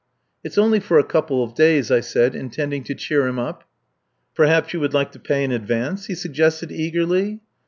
"It's only for a couple of days," I said, intending to cheer him up. "Perhaps you would like to pay in advance?" he suggested eagerly.